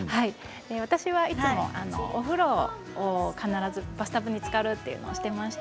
私はいつもお風呂を必ずバスタブにつかるということをしています。